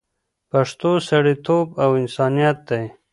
پښتو سړیتوب او انسانیت دی